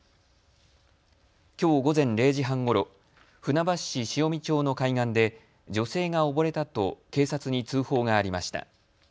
きょう午前０時半ごろ船橋市潮見町の海岸で女性が溺れたと警察に通報がありました。